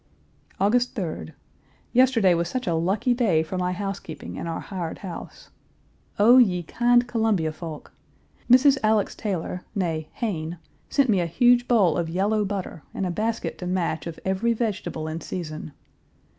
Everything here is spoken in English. August 3d. Yesterday was such a lucky day for my housekeeping in our hired house. Oh, ye kind Columbia folk! Mrs. Alex Taylor, née Hayne, sent me a huge bowl of yellow butter and a basket to match of every vegetable in season.